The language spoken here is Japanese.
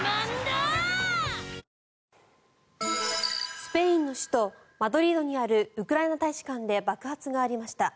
スペインの首都マドリードにあるウクライナ大使館で爆発がありました。